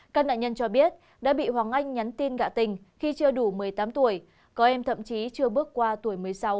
các nạn nhân cho biết đã bị hoàng anh nhắn tin gạ tình khi chưa đủ một mươi tám tuổi có em thậm chí chưa bước qua tuổi một mươi sáu